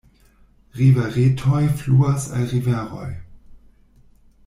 Riveretoj fluas al riveroj.